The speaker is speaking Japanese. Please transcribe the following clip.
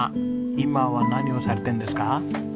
今は何をされてるんですか？